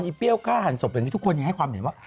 เปรี้ยวกล้าหันศพอย่างนี้ทุกคนยังให้ความเห็นว่า